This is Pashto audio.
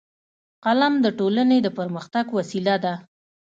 قلم د ټولنې د پرمختګ وسیله ده